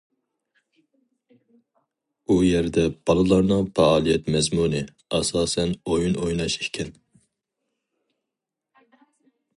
ئۇ يەردە بالىلارنىڭ پائالىيەت مەزمۇنى، ئاساسەن، ئويۇن ئويناش ئىكەن.